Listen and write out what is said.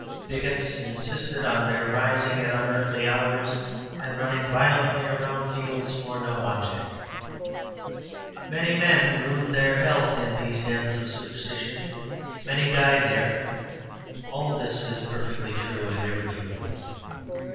Bigots insisted on their rising at unearthly hours and running violently around fields for no object. Many men ruined their health in these dens of superstition, many died there. All this is perfectly true and irrefutable.